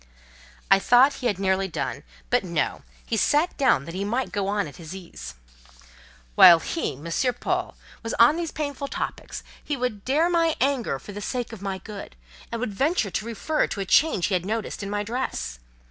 I thought he had nearly done: but no; he sat down that he might go on at his ease. "While he, M. Paul, was on these painful topics, he would dare my anger for the sake of my good, and would venture to refer to a change he had noticed in my dress.